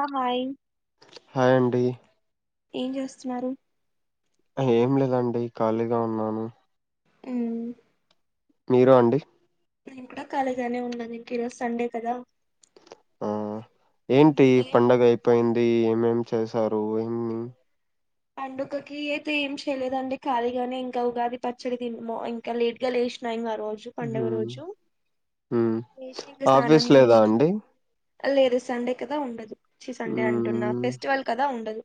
ఆ hi hi అండి ఏం చేస్తున్నారు ఏం లేదండి ఖాళీగా ఉన్నాను ఊ మీరు అండి నేను కూడా కాలిగానే ఉన్నాను ఇంక ఈ రోజు సండే కదా ఆ ఉమ్, ఏంటి ఏ పండగ అయిపోయిం ది ఏమేం చేశారు ఇన్ని పండుగకి అయితే ఏం చేయలేదండి ఖాళీగానే ఇంకా ఉగాది పచ్చడి తిన్నము ఇంకా లేట్ గా లేసినా ఏం కా హు హు లేసి ఇంక స్నానం ఆఫీస్ లేదా చేసి అండి లేదు సండే కదా ఉండదు చ్చి సండే అంటున్నా హ్మ్ ఫెస్టివల్ కదా ఉండదు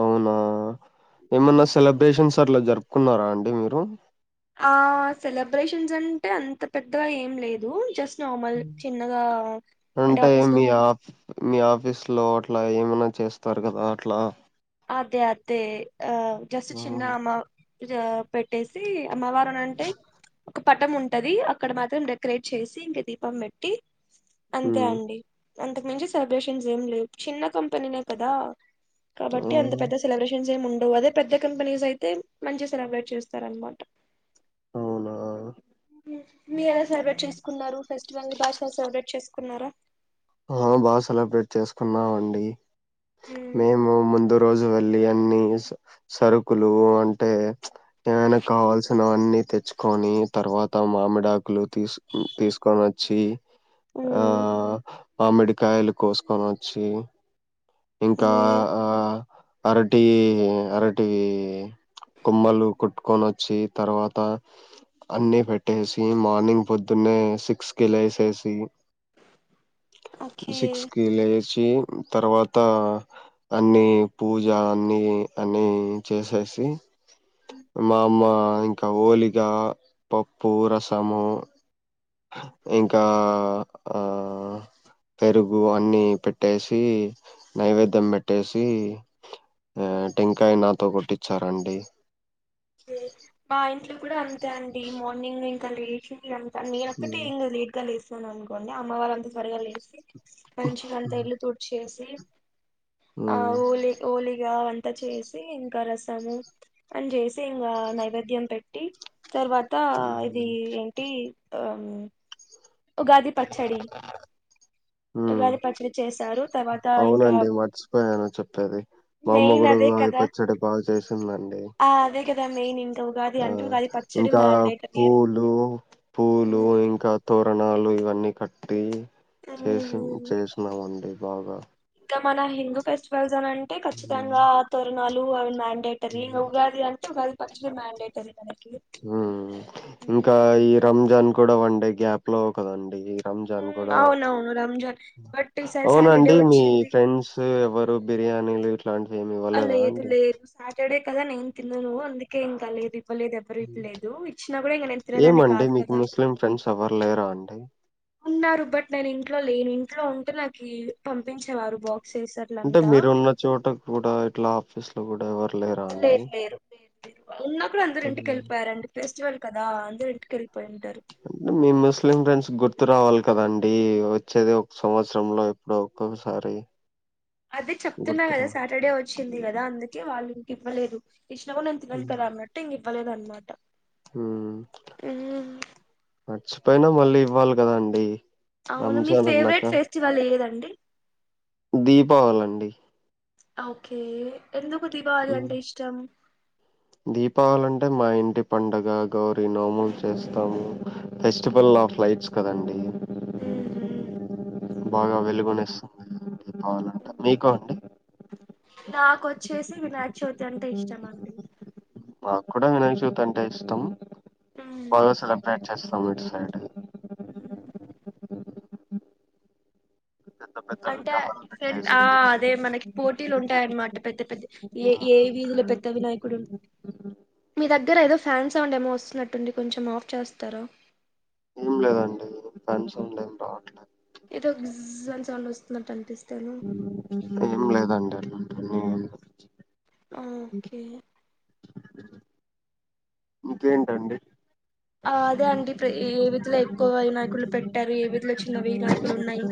అవునా ఏమన్నా ఉమ్. సెలబ్రేషన్స్ అట్లా జరుప్ కున్నారా అండి మీరు ఆ సెలబ్రేషన్స్ అంటే అంత పెద్దగా ఏం లేదు జస్ట్ నార్మల్ హుమ్ చిన్నగా అంటే ఆఫీస్ లో మీ ఆ మీ ఆఫీస్ లో అట్లా ఏమైనా చేస్తారు కదా అట్లా అదే అదే ఆ జస్ట్ చిన్న హ్మ్ మా రా పెట్టేసి అమ్మవారునంటే ఒక పటం ఉంటది అక్కడ మాత్రం డెకరేట్ చేసి ఇంక దీపం పెట్టి అంతే హ్మ్. అండి అంతకు మించి సెలబ్రేషన్స్ ఏం లేవు చిన్న కంపెనీనే కదా కబట్ అంటే అంత హ్మ్. పెద్ద సెలబ్రేషన్ ఏం ఉండ్ అవదు అదే పెద్ద కంపెనీస్ అయితే మంచి సెలబ్రేట్ చేస్తారనమాట అవునా మీరు ఎలా సెలబ్రేట్ చేసుకున్నారు ఫెస్టివల్ భాష గా సెలబ్రేట్ చేసుకున్నారా? ఆ బాగా సెలబ్రేట్ చేసుకున్నావండి ఉమ్, మేము ముందు రోజు వెళ్లి అన్ని సరుకులు అంటే చుప్ ఏమైనా కావాల్సిన అన్ని తెచ్చుకొని తర్వాత మామిడాకులు తీస్ తీసుకొని వచ్చి ఆ ఉమ్, మామిడికాయలు కోసుకొని వచ్చి ఇంకా ఉమ్, ఆ అరటి అరటి కొమ్మలు కొట్టుకొని వచ్చి తర్వాత అన్ని పెట్టేసి మార్నింగ్ పొద్దున్నే సిక్స్ కి లేేసేసి ఓకే సిక్స్ కి లేస్ వచ్చి తర్వాత్ తా అన్ని పూజ అన్ని అన్ని చేసేసి మా మా కవోలిగా పప్పు రసము ఇంకా పెరుగు అన్ని పెట్టేసి నైవేద్యం పెట్టేసి ఆ టెంకాయ నాతో కొట్టించారండి. మా ఇంట్లో కూడా అంతే అండి మార్నింగ్ ఇంకా లేచి అంత నేన్ ఒక్కటే ఇంకా లేట్ గా లేస్ ను అనుకోండి అమ్మవాళ్ళు అంత త్వరగా లేసి మంచిగా అంత ఇల్లు తుడిచేసి జి [inaudible] ఆ ఉమ్ హోలి హోలిగా అంత్ అంత చేసి ఇంకా రసాము అని చేసి అంతే ఇంగా నైవేద్యం పెట్టి తర్వాత ఇది ఏంటి ఆ ఉగాది పచ్చడి హ్మ్ ఉగాది పచ్చడి చేశారు తర్వాత ఇంకా అవునండి మర్చిపోయాను చెప్పేది మా అమ్మ మెయిన్ కూడా అదే ఉగాది కదా పచ్చడి బాగా చేస్తుంది అండి ఆ అదే కదా మెయిన్ ఇన్ ఆ ఇంకా పూలు పూలు ఇంకా తో ప్రణాలు ఇవన్నీ కట్టి చేసిన్ చేసిన్నామండి బాగా ఇంకా మన హిందూ ఫెస్టివల్ ఇస్తానంటే అంటే కచ్చితంగా తోరిన్ నాలు అవిన్ మ్యాన్ డెటరి ఉగాది అం ఉగాది పచ్చడి మాండేటరి అని హ్మ్ ఇంకా ఈ రంజాన్ కూడా వన్డే గ్యాప్ లో కదండీ రంజాన్ ఉమ్, కూడా అవునవును రంజాన్ బట్ ఈసారి సాటర్డే అవునండి మీ వచ్చింది ఫ్రెండ్స్ ఎవరు బిర్యానీలు ఇట్లాంటివి ఏమి అ ఇవ్వలేదా లేదు అండి లేదు సాటర్డే కదా నేను తిన్నాను అందుకే ఇంక లేదు ఇవ్వలేదు ఎవరు ఇవ్వలేదు ఇచ్చినా కూడా ఇంక నేను తినేదాన్ని ఏమండి కాదు మీకు కదా ముస్లిం ఫ్రెండ్స్ ఎవరు లేరా అండి ఉన్నారు బట్ నేను ఇంట్లో లేను ఇంట్లో ఉంటే నాకు పంపించేవారు బాక్ అంటే మీరున్న చోట కూడా అట్లా ఆఫీస్ లో కూడా ఎవరు లేరా లేరు లేరు ఉన్న కూడా అందరు ఇంటికి అండి వెళ్ళిపోయారండి ఫెస్టివల్ కదా అందరూ ఇంటికెళ్లి మీ ముస్లిం ఫ్రెండ్స్ గుర్తు రావాలి కదండి వచ్చేది ఒక సంవత్సర లో ఎప్పుడో ఒక్కొక్కసారి అదే చెప్తున్నా కదా గుర్తురా సాటర్డే వచ్చింది కదా అందుకే వాళ్ళు ఇవ్వలేదు ఇషినా కూడా నేను తినను కదా అన్నట్టు ఇవ్వలేదు అనమాట మ్ మర్చిపోయినా మళ్ళీ ఇవ్వాలి కదా అండి అవును మీ ఫేవరెట్ ఫెస్టివల్ ఏదండి దీపావళి అండి అ ఓకే ఎందుకు దీపావళి అంటే ఇష్టం దీపావళి అంటే మా ఇంటి పండగ గౌరీ నోములు చేస్తాము ఫెస్టివల్ ఆఫ్ లైట్స్ కదండి ఉహు బాగా వెలుగునిస్తాయి అవునంట మీకో అండి నాకు ఓచ్చెసి విరాట్ [unintelligible] అంటే ఇష్టమండి వితంటే ఇష్టం బాగా సెలబ్రేట్ చేస్తాం ఇటు సై [unintelligible] పెద్ద పెద్ద అంటే విగ్రహాలు ఆ పెట్టేసి అదే మనకి పూర్ పోటీలు ఉంటాయన్నమాట పెద్ద పెద్ద ఏ ఏ వీధులో పెద్ద వినాయకుడు మీ దగ్గర ఏదో ఫ్యాన్స్ సౌండ్ ఏమో వస్తున్నట్టుంది కొంచెం ఆఫ్ చేస్తారా ఏం లేదండి ఫ్యాన్ సౌండ్ ఏం రావట్లేదు ఏదో గిజ్... అని సౌండ్ వస్తున్నట్టు అనిపిస్తుం ఏం లేదండి అలా [unintelligible] మ్... ఓకే ఇంకెంటండి అదే అండి ఏ విధిలో ఎక్కువ వినాయకులు పెట్టారు ఏ విధిలో చిన్న వినాయకులు ఉన్నాయి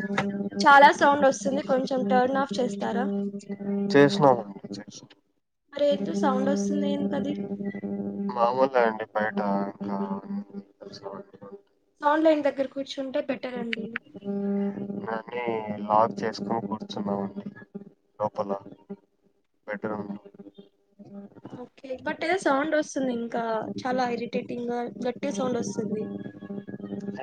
చాలా సౌండ్ వస్తుంది కొంచెం టర్న్ ఆఫ్ చేస్తారా చేస్తున అండి చేస్తున మరి ఏందో సౌండ్ వస్తుంది ఎందుకది పోలే అండి బయట ఇంకా సౌండ్ లేని దగ్గర కు నేనీ లాక్ చేసుకుని కూర్చున్నామండి లోపల బెడ్రూమ్ లో ఓకే బట్ ఏదో సౌండ్ వస్తుంది ఇంకా చాలా ఇరిటేటింగ్గా గట్టిగా సౌండ్ వస్తుంది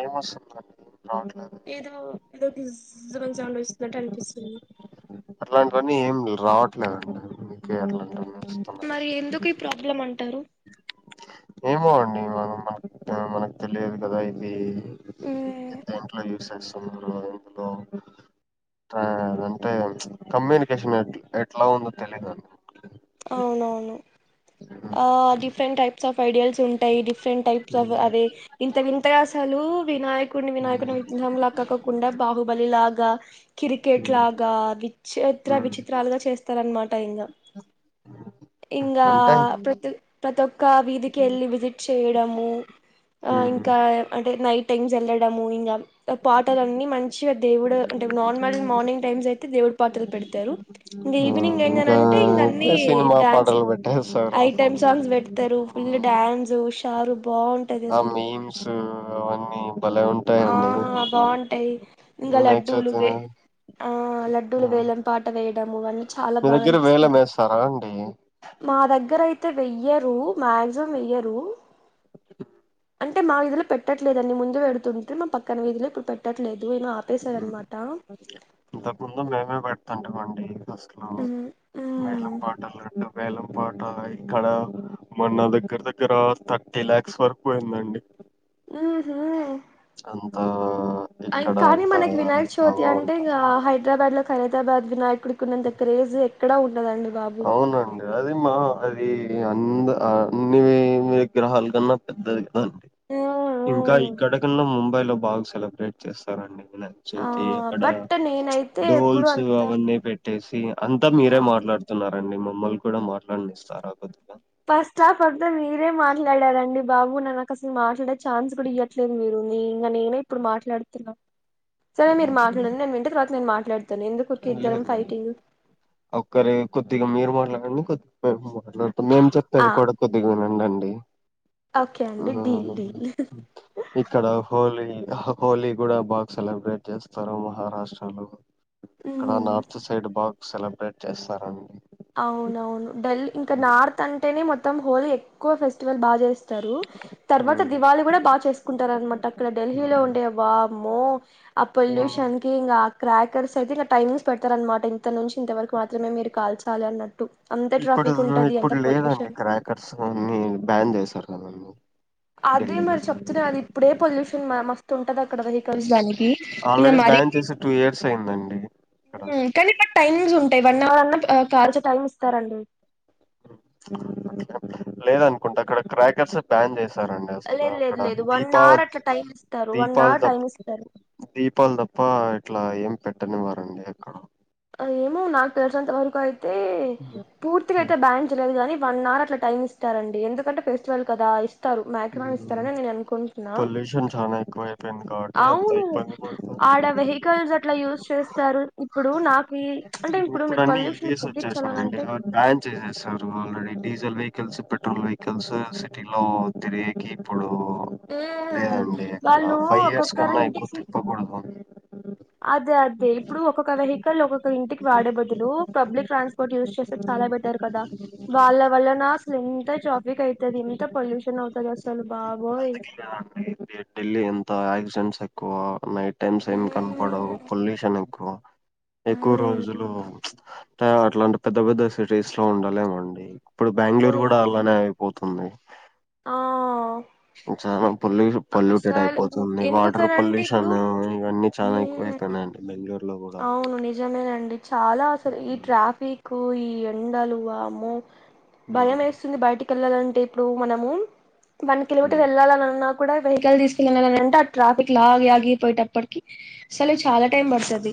ఏం వస్తుందండి ఏం రావట్లేదు ఏదో ఏదో గిజ్ జ్.. మని సౌండ్ వస్తున్నట్టు అనిపిస్తుంది అట్లాంటివన్నీ ఏం రావట్లేదండి మీకే అట్లా మరి ఎందుకు ఈ ప్రాబ్లం అంటారు ఏమో అండి మనం మన మనకు తెలియదు కదా ఇదీ మ్మ్, వంట్లో యూస్ చెస్ ఇంటిలో అంటే అంటే కమ్యూనికేషన్ ఎట్ ఎట్లా ఉన్నది తెలివదు అవునవును ఆ డిఫరెంట్ టైప్స్ ఆఫ్ ఐడియాల్స్ ఉంటాయి డిఫె ఫరెంట్ టైప్స్ ఆఫ్ అదే ఇంత వింతగా వినాయక్ కుడి వినాయకుడు విగ్రహం లాగా కకాకుండా బాహుబలి లా గా క్రికెట్ లాగా విచిత్ర విచిత్రాలుగా చేస్తారనమాట ఇంకా ఇంకా అంటే ప్రతి ప్రతి ఒక్క వీధికి వెళ్ళి విజిట్ చేయడము ఆ ఉమ్, ఇంకా అంటే నైటింగ్స్ వెళడము ఇంకా పాటాల అన్నీ మంచిగా దేవుడు అంటే నార్మల్ మార్నింగ్ టైమ్స్ అయితే దేవుడు పాటలు పెట్టు తారు ఇంకా ఈవినింగ్ ఉమ్, అయింది అని అంటే ఇంకా అని అయితే నీ సినిమా డాన్స్ పాటలు పెట్టేస్తారు ఐటమ్స్ సాంగ్స్ పెడతారు ఫుల్లు ఉమ్, డాన్సు తారు ఆ మెమ్స్ అవన్నీ బలే ఆ ఉంటాయండి బాగుంటాయి ఇంకా లడ్డూలు వినాయకచవితి వే ను ఆ లడ్డూలు వేలం పాట వేయడము గని చాలా బాగా అనిపిస్తారు తరాండి అయితే వెయ్యరు మాక్సిమం వెయ్యరు అంటే మా విధులో పెట్టట్లేదు అండి ముందు పెడుతుంటే మా పక్కన వీధులో ఇప్పుడు పెట్ట ఇంతకు ముందు మేమ ప తంటుమండి ఫస్టు లో ఉమ్, ఉమ్, వేలం పాటలు రెండు వేలం పాట ఇక్కడ మొన్న దగ్గర దగ్గర థర్టీ ల్యాక్స్ వరకు అయిందిండి హమ్ అంత ఇక్కడ కానీ అంత మనకి వినాయక చవితి హవా అంటే ఉంటది. హైదరాబాద్ లో ఖైరతాబాద్ వినాయకుడు కుడు కి ఉన్నంత క్రేజ్ ఎక్కడ ఉండదు డదు అండి అవునండి అది మా అది అది అన్ అన్ని విగ్రహాలు కన్నా పెద్దది అండి ఉమ్, ఇంకా ఉమ్. ఇక్కడ కన్నా ముంబై లో బాగా సెలెబ్ రేట్ చేస్తారండి వినాయక ఆ చవతి అక్కడ బట్ నేనైతే ఎప్పుడు డోల్స్ అంత అవన్నీ పెట్టేసి అంతా మీరే మాట్లాడు అన్ని మమ్మల్ని కూడా మాట్లాడినిస్తారా కొద్దిగా ఫస్ట్ హాఫ్ ఆన్ అంత మీరే మాట్లాడారండి బాబు నా నాకు అసలు మాట్లాడే ఛాన్స్ కూడా ఇవ్వట్లేదు మీరు ఇంకా నేనే ఇప్పుడు మాట్లాడుతున్నా సరే మీరు మాట్లాడండి నేను వింటే తర్వాత నేను మాట్ లేదు లేదు ఒక్కరి కొద్దిగా మీరు మాట్లాడండి మేం చెప్తే ఆ అది కూడా కొద్దిగా వినండి ఉండండి ఓకే అండి డీల్ డీల్ ఇక్కడ హోలీ హోలీ కూడా బాగా సెలబ్రేట్ చేస్తారు మహారాష్ట్ర లో ఇక్కడ నార్థ సైడ్ బాగ సెలబ్రేట్ చేస్తారా మీరు అవునవును ఢిల్లీ ఇంకా నార్త్ అంటేనే మొత్తం మొత్తం హోలీ ఎక్కువ ఫెస్టివల్ బాగా చేస్త తారు తర్వాత ఉమ్, దివాళి కూడా బాగా చేసుకుంటారు అనమాట అక్కడ ఢిల్లీలో ఉంటే వామ్మో ఆ ఉమ్. పొల్యూషన్కి కి ఇంకా క్రాకర్స్ అయితే ఇట్ల టైమింగ్స్ పెడతారన్నమాట ఇంత నుంచి ఇంతవరకు మాత్రమే మీరు కాల్చ తాలి అన్నట్టు ఇప్పుడు అంత ఇప్పుడు లేదండి పొల్యూషన్ క్రాకర్స్ అన్ని బ్యాన్ చేస్త అదే మరి చెప్తునే అది ఇప్పుడే పొల్యూషన్ మస్తు ఉంటది అక్కడ వెహికల్స్ దానికి ఇంక ఆల్రెడీ మర బ్యాన్ చేసి టూ ఇయర్స్ అయిందండి ఇక్కడ కానీ టైమింగ్స్ ఉంటాయి వన్ హౌర్ అన్నా కాల్చ లేదనుకుంటే అక్కడ క్రాకర్స్ బ్యాన్ చేస్తా తర అండి అసలా లేదు లేదు అక్కడ లేదు వన్ దీపాల అవర్ అట్లా టైం ఇస్తారు వన్ దీపాల అవర్ టైం తప్ప ఇస్తారు దీపాల తప్ప అట్లా ఏం పెట్టని ఇవరు అండి అక్కడ ఏమో నాకు తెల్సి అంత వరకు అయితే అయితే ఉమ్, పూర్తిగాయితే బ్యాన చేయలేదు గాని వన్ హౌర్ అట్లా టైమ్ ఇస్తారండి ఎందుకంటే ఫెస్టివల్ కదా ఇస్ ఇస్తారు మాక్సిమం ఉమ్, ఇస్తారని నేను అనుకుంటున్నా పొల్యూషన్ చాలా ఎక్కువైపోయింది కాబట్టి అంత అవును ఇబ్బంది పడుతున్నారు. ఆడ వెహికల్స్ అట్లా యూస్ చేస్తారు ఇప్పుడు నాకు యి అంటే ఇప్పుడు మీరు అన్నీ పొల్యూషన్ ఈవీస్ తగ్గించాలని వచ్చేసినాయండి. అంటే అవి కలిసి పెట్రోల్ వెహికల్స్ సిటీ లో తిరిగేకి ఇప్పుడు ఉమ్ లేదండి ఎక్కడ వాళ్ళు ఫైవ్ ఇయర్స్ ఒక్కొక్కరు కన్నా ఎక్కువ ఇంటికి తిప్పకూడదు అదే అదే ఇప్పుడు ఒక్కొక్క వెహి కల్ ఒకో ఇ ఇంటికి వాడే బదులు పబ్లిక్ ట్రాన్స్పోర్ట్ యూస్ చేస్తే చాలా బెట టరు కదా వాళ్ళ వల్లనా ఎంత ట్రాఫక్ అయితది ఎంత పొల్యూషన్ అవుతాది అసలు బాబోయ్ ఢిల్లి అంటే దఢిల్లీ ఎంత ఆక్సిడెంస్ ఎక్కువ నైట్ టెంట్స్ ఏం కనపడవు హ్మ్ పొల్యూషన్ ఎక్కువ ఎక్కువ రోజులు అంటే అట్లాంటి పెద్ద పెద్ద సిటీస్ లో ఉండాలేమండి ఇప్పుడు బెంగళూరు అవును కూడా అలానే అయిపో తుంది ఆ చాలా పొల్యూషన్ పొల్యూటెడ్ అసలు అయిపోతుంది వాటర్ ఎందుకనంటే ఇప్పుడు పొల్యూషన్ ఇవన్నీ చాలా ఎక్కువ హ్మ్ అయితనాయండి బెంగళూరు లో కూడా ఎలా అసలు ఈ ఉమ్ ట్రాఫిక్ కు ఈ ఎండలు వామ్మో ఉమ్ భయం ఏస్తుంది బయటికి పిల్లలంటే ఇప్పుడు మనము వన్ కిలోమీటర్ ఉమ్ వెళ్ళాలన్న కూడా వెహికల్ తీసుకెళ్ళన అంటే ఆ ట్రాఫిక్ లాగి ఆగిపోయేటప్పటికి అసలు చాలా టైం పడుతడి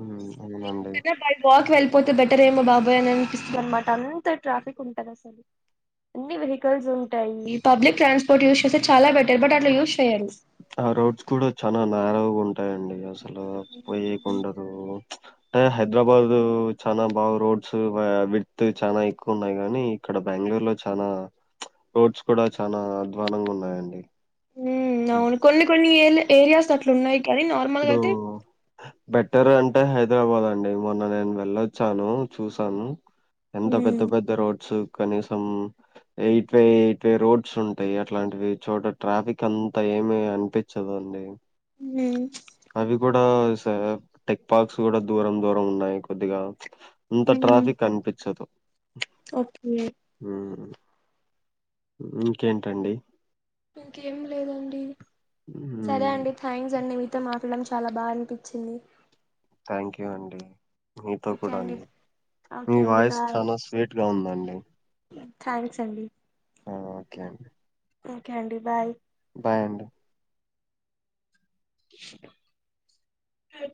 ఉమ్, అవునండి దానికంటే బై వాక్ వెల్ పోతే బెటర్ ఏమో బాబోయ్ అని అనిపిస్తుంది అనమాట అంత ట్రాఫిక్ ఉంటంది అసలు అన్ని వె వెహికల్స్ ఉంటాయి పబ్లిక్ ట్రాన్స్ర్ట్ యూస్ చేస్తే చాలా బెటర్ బట్ అట్లా యూస్ ఆ రోడ్స్ కూడా చాలా న్యారో గుం ఉంటాయి అండి అస ట్లా పోయ్యే కి ఉండదు అంటే హైదరాబాద్ చాలా బాగు రోడ్స్ వెడ్త్ చాలా ఎక్కువ ఉన్నాయి గానీ ఇక్కడ బెంగళూరు లో చాలా రోడ్స్ కూడా చాలా అద్వానంగా ఉన్నాయండి హు అవును కొన్ని కొన్ని ఏలే ఏరియాస్ అట్లా ఉన్నాయి కానీ నార్మల్ గా ఇపుడు అయితే బెటర్ అం అంటే హైదరాబాద్ అండి మొన్న నేను వెళ్ళొచ్చాను చూసాను ఎంత ఉమ్ పెద్ద పెద్ద రోడ్స్ రోడ్స్ కనీసం eight way eight way roads ఉంటాయి అట్లాంటివి చోట ట్రాఫిక్ అంతా ఏమి అనిపించదు అండి హు అవి కూడా సగం టెక్ పార్క్స్ కూడా దూరం దూరం ఉన్నాయి కొద్దిగా ఇంత ఉమ్ ట్రాఫిక్ అనిపించదు ఓకే మ్మ్ ఇంకేంటండి ఇంకేం లేదండి సరే మ్మ్ అండి థ్యాంక్స్ అండి మీతో మా పలం చాలా బా అనిపించింది థ్యాంక్ యూ అండి మీతో కూడా అండి మీ ఓకే అండి వాయిస్ బాయ్ చాలా స్వీట్ గా ఉందండి థ్యాంక్స్ అండి ఆ ఓకే అండి ఓకే అండి బాయ్ బాయ్ అండి అ